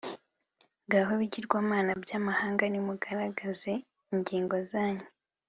Ngaho bigirwamana by’amahanga, nimugaragaze ingingo zanyu,